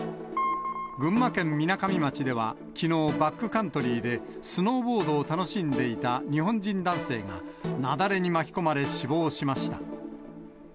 群馬県みなかみ町ではきのう、バックカントリーでスノーボードを楽しんでいた日本人男性が、雪崩に巻き込まれ死亡しました。